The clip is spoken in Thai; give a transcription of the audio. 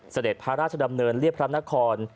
เสด็จพระราชดำเนินเรียบพระนคร